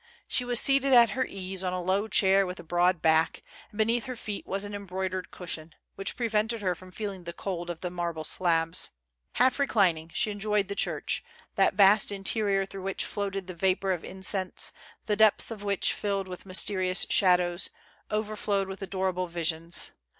She was seated at her ease on a low chair with a broad back, and beneath her feet was an embroidered cushion, which prevented her from feeling the cold of the mar ble slabs. Half reclining, she enjoyed the church, that vast interior through which floated the vapor of incense, the depths of which, filled with mysterious shadows, overflowed with adorable visions.